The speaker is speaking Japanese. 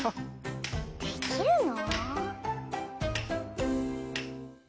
できるの？